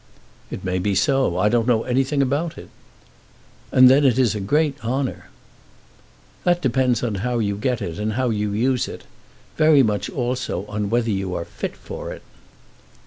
"It may be so. I don't know anything about it." "And then it is a great honour." "That depends on how you get it, and how you use it; very much also on whether you are fit for it."